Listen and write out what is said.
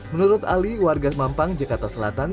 menurut ali warga mampang jakarta selatan